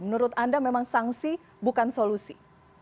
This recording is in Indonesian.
menurut anda memang sanksi bukan solusi